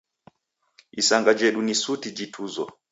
Isanga jedu ni suti jituzo